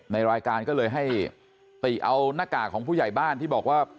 ในรายการก็เลยให้ติเอาหน้ากากของผู้ใหญ่บ้านที่บอกว่า